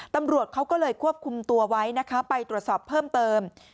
ตำรวจเขาก็เลยควบคุมตัวไว้นะคะไปตรวจสอบเพิ่มเติม